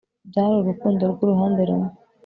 byari urukundo rwuruhande rumwe